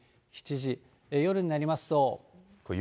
５時、６時、７時、夜になりますと。